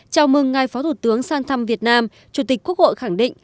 chào mừng ngài phó thủ tướng sang thăm việt nam chủ tịch quốc hội khẳng định